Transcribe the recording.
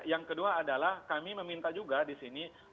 yang kedua adalah kami meminta juga di sini